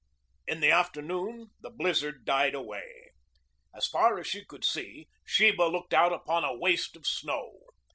In the afternoon the blizzard died away. As far as she could see, Sheba looked out upon a waste of snow.